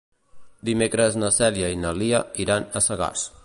Dimecres na Cèlia i na Lia iran a Sagàs.